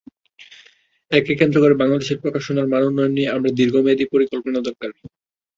একে কেন্দ্র করে বাংলাদেশের প্রকাশনার মানোন্নয়ন নিয়ে আমাদের দীর্ঘমেয়াদি পরিকল্পনা করা দরকার।